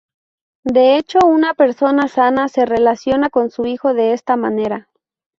De hecho, una persona sana se relaciona con su hijo de esta manera.